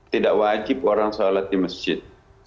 tidak wajib orang sholat di masjid